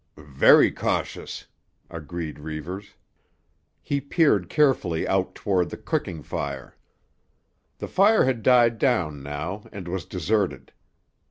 "Very cautious," agreed Reivers. He peered carefully out toward the cooking fire. The fire had died down now and was deserted.